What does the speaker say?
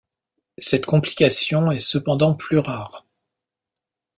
Cette complication est cependant plus rare.